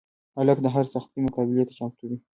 هلک د هر سختي مقابلې ته چمتو وي.